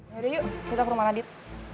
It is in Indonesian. yaudah yuk kita ke rumah radit